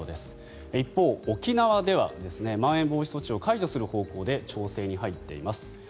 一方、沖縄ではまん延防止措置を解除する方向で調整に入っています。